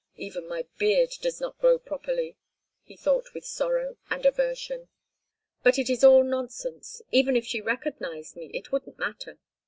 "Even my beard does not grow properly!" He thought with sorrow and aversion. "But it is all nonsense. Even if she recognised me it wouldn't matter.